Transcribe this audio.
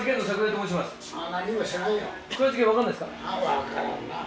分からんなぁ。